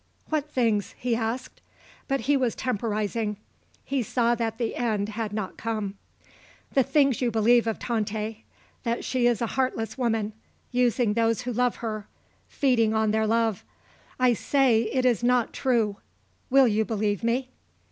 "What things?" he asked. But he was temporizing. He saw that the end had not come. "The things you believe of Tante. That she is a heartless woman, using those who love her feeding on their love. I say it is not true. Will you believe me?"